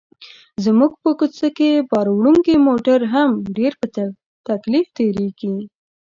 زموږ په کوڅه کې باروړونکي موټر هم په ډېر تکلیف تېرېږي.